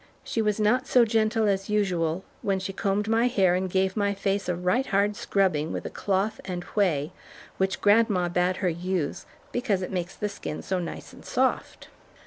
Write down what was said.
She was not so gentle as usual when she combed my hair and gave my face a right hard scrubbing with a cloth and whey, which grandma bade her use, "because it makes the skin so nice and soft."